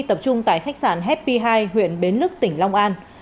tập trung tại khách sạn happy high huyện bến lức tỉnh long an